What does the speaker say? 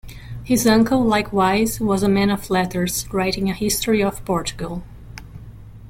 His uncle, likewise, was a man of letters, writing a history of Portugal.